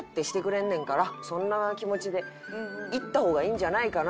そんな気持ちでいった方がいいんじゃないかなと。